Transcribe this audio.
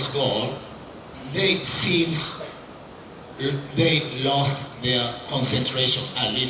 setelah kita menang mereka terlihat kehilangan konsentrasi mereka sedikit